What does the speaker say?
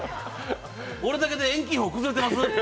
俺だけで遠近法、崩れてます？